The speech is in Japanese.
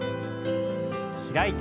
開いて。